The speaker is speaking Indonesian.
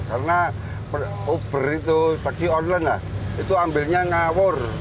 karena uber itu taksi online lah itu ambilnya ngawur